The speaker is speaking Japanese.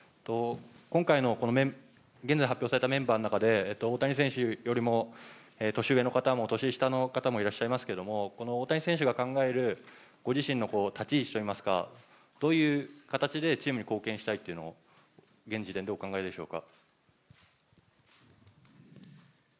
今回の現在発表されたメンバーの中で大谷選手よりも年上の方も、年下の方もいらっしゃいますけども、大谷選手が考えるご自身の立ち位置といいますかどういう形でチームに貢献したいというのを現時点でお考えでしょうか？